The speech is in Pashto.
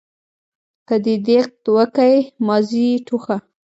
که دي دېغت وکئ ماضي ټوخه.